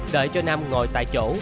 đợi cho nam ngồi tại chỗ